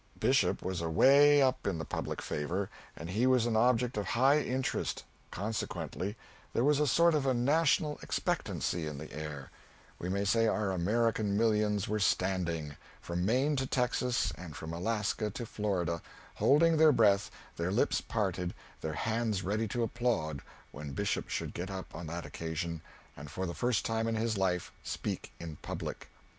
Bishop was away up in the public favor, and he was an object of high interest, consequently there was a sort of national expectancy in the air; we may say our American millions were standing, from Maine to Texas and from Alaska to Florida, holding their breath, their lips parted, their hands ready to applaud when Bishop should get up on that occasion, and for the first time in his life speak in public.